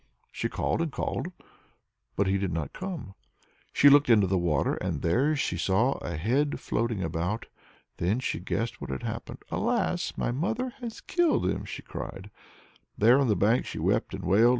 She called and called, but he did not come. Then she looked into the water, and there she saw a head floating about. Then she guessed what had happened. "Alas! my mother has killed him!" she cried. There on the bank she wept and wailed.